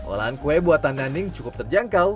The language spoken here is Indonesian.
olahan kue buatan naning cukup terjangkau